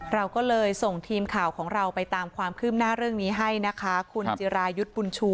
เราก็เลยส่งทีมข่าวของเราไปตามความเคลิมนาเรื่องนี้ให้คุณฮัตเจียรายุทธ์ปุญชู